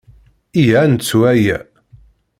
Iyya ad nettu aya.